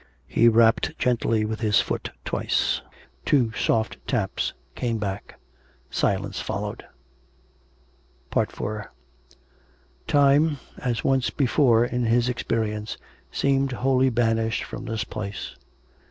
He rapped gently with his foot twice. Two soft taps came back. Silence followed. IV Time, as once before in his experience, seemed wholly banished from this place.